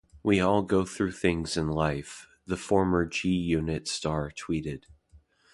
"We all go through things in life," the former G-Unit star tweeted.